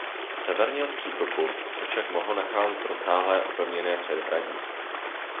Severně od příkopu se však mohlo nacházet rozsáhlé opevněné předhradí.